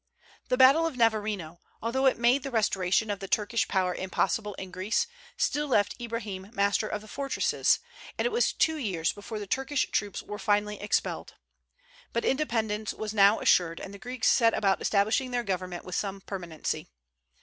The battle of Navarino, although it made the restoration of the Turkish power impossible in Greece, still left Ibrahim master of the fortresses, and it was two years before the Turkish troops were finally expelled. But independence was now assured, and the Greeks set about establishing their government with some permanency.